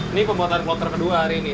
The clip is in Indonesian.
ini pembuatan klo terkeduanya hari ini